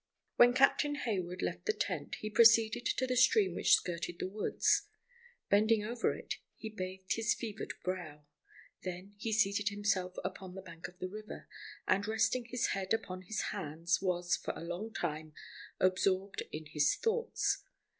_ WHEN Captain Hayward left the tent, he proceeded to the stream which skirted the woods. Bending over it, he bathed his fevered brow. Then he seated himself upon the bank of the river, and, resting his head upon his hands, was, for a long time, absorbed in his thoughts.